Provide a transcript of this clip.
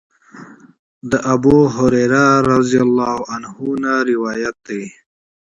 د ابوهريره رضی الله عنه نه روايت دی :